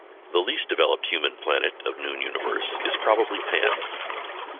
The least developed human planet of Noon Universe is probably Pant.